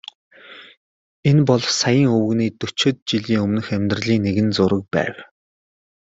Энэ бол саяын өвгөний дөчөөд жилийн өмнөх амьдралын нэгэн зураг байв.